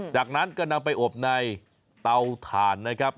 จากนั้นก็นำไปอบในเตาถ่านนะครับ